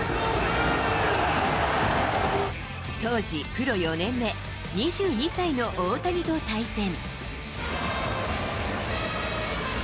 当時プロ４年目、２２歳の大谷と対戦。